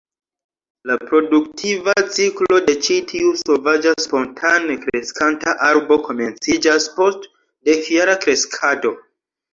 La produktiva ciklo de ĉi tiu sovaĝa spontane kreskanta arbo komenciĝas post dekjara kreskado.